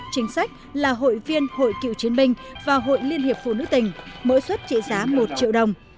chính sách là hội viên hội cựu chiến binh và hội liên hiệp phụ nữ tỉnh mỗi suất trị giá một triệu đồng